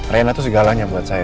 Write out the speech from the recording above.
reina tuh segalanya buat saya